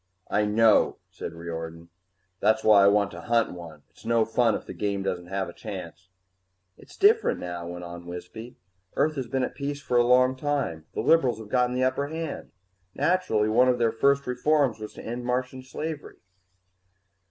"I know," said Riordan. "That's why I want to hunt one. It's no fun if the game doesn't have a chance." "It's different now," went on Wisby. "Earth has been at peace for a long time. The liberals have gotten the upper hand. Naturally, one of their first reforms was to end Martian slavery."